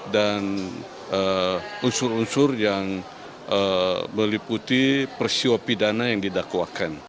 dan unsur unsur yang meliputi persiopidana yang didakwakan